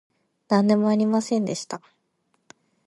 なんでもありませんでした